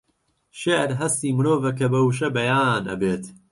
شێعر هەستی مرۆڤە کە بە وشە بەیان ئەبێت